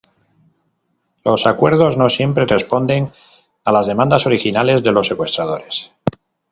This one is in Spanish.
Los acuerdos no siempre responden a las demandas originales de los secuestradores.